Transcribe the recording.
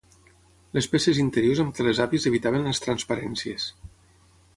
Les peces interiors amb què les àvies evitaven les transparències.